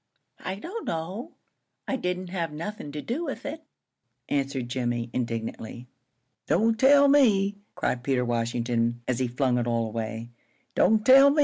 "I don't know. I didn't have nothin' to do with it," answered Jimmie, indignantly. "Don' tell me!" cried Peter Washington, as he flung it all away "don' tell me!